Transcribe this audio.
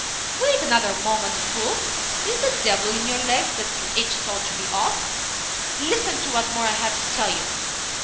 Wait another moment, fool! Is the devil in your legs that they itch so to be off? Listen to what more I have to tell you.